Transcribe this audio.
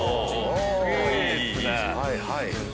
いいっすね。